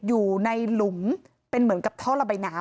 อยู่ในหลุมเป็นเหมือนกับท่อระบายน้ำ